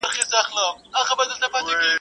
ګېډۍ، ګېډۍ ګلونه وشيندله.